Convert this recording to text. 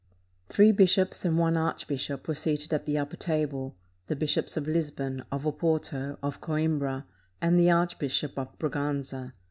Three bishops and one archbishop were seated at the upper table: the Bishops of Lisbon, of Oporto, of Coimbra, and the Archbishop of Braganza.